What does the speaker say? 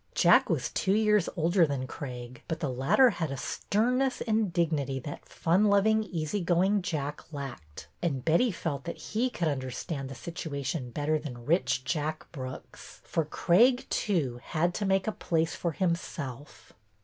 Jack was two years older than Craig, but the latter had a sternness and dignity that fun loving, easy going Jack lacked, and Betty felt that he could understand the situation better than rich Jack Brooks, for Craig, too, had to make a place for himself.